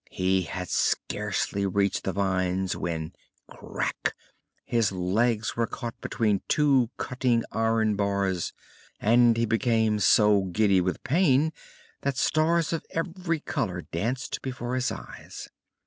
He had scarcely reached the vines when crack his legs were caught between two cutting iron bars and he became so giddy with pain that stars of every color danced before his eyes.